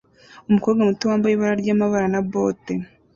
Umukobwa muto wambaye ibara ryamabara na bote